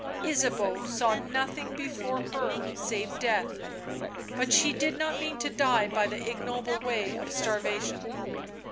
Ysabeau saw nothing before her save death, but she did not mean to die by the ignoble way of starvation.